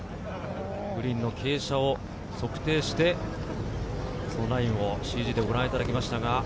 グリーンの傾斜を測定して、ラインをＣＧでご覧いただきました。